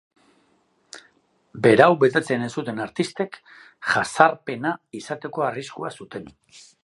Berau betetzen ez zuten artistek jazarpena izateko arriskua zuten.